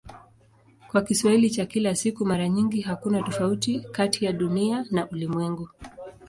Kwa Kiswahili cha kila siku mara nyingi hakuna tofauti kati ya "Dunia" na "ulimwengu".